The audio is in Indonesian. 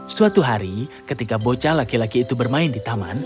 suatu hari ketika bocah laki laki itu bermain di taman